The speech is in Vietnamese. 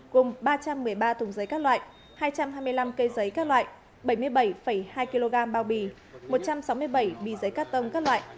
gồm ba trăm một mươi ba thùng giấy các loại hai trăm hai mươi năm cây giấy các loại bảy mươi bảy hai kg bao bì một trăm sáu mươi bảy bì giấy cát tông các loại